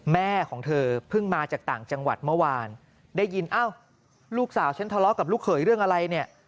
แม่ของเธอเพิ่งมาจากต่างจังหวัดเมื่อวานได้ยินเอ้าลูกสาวฉันทะเลาะกับลูกเขยเรื่องอะไรเนี่ย